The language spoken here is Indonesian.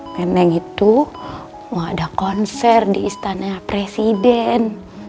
menteng itu mau ada konser di istana presiden